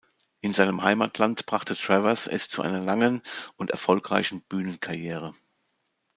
In seinem Heimatland brachte Travers es zu einer langen und erfolgreichen Bühnenkarriere.